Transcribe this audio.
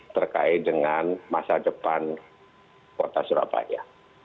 terkait dengan masa depan kota surabaya